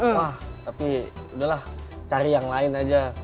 wah tapi udahlah cari yang lain aja